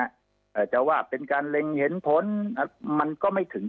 อาจจะว่าเป็นการเล็งเห็นผลมันก็ไม่ถึง